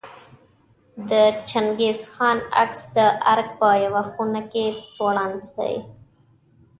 د چنګیز خان عکس د ارګ په یوه خونه کې ځوړند دی.